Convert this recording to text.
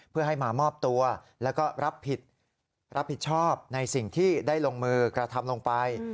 เพื่อให้มามอบตัวแล้วก็รับผิดรับผิดชอบในสิ่งที่ได้ลงมือกระทำลงไป